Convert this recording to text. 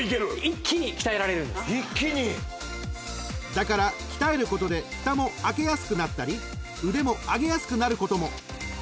［だから鍛えることでふたも開けやすくなったり腕も上げやすくなることも］